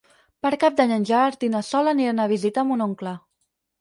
Per Cap d'Any en Gerard i na Sol aniran a visitar mon oncle.